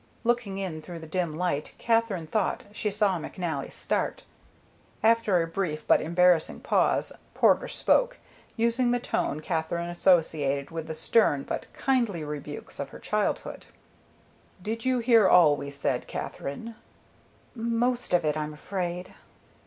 Looking in through the dim light Katherine thought she saw McNally start. After a brief but embarrassing pause Porter spoke, using the tone Katherine associated with the stern but kindly rebukes of her childhood. "Did you hear all we said, Katherine?" "Most of it, I'm afraid."